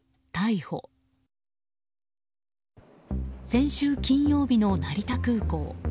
先週金曜日の成田空港。